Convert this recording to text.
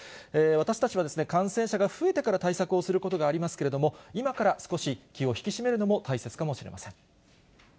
私たちは感染者が増えてから対策をすることがありますけれども、今から少し気を引き締めるのも大切かもしれません。